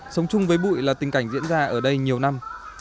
sống chung với bụi là tình cảnh diễn ra ở đây nhiều năm